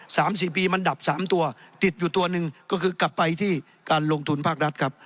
สามสี่ปีมันดับสามตัวติดอยู่ตัวหนึ่งก็คือกลับไปที่การลงทุนภาครัฐครับ